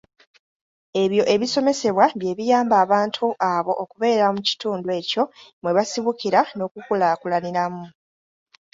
Ebyo ebisomesebwa bye biyamba abantu abo okubeera mu kitundu ekyo mwe basibukira n’okukulaakulaniramu.